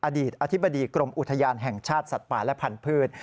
อดีตอธิบดีกรมอุทยานแห่งชาติสัตว์ป่าและพันธุ์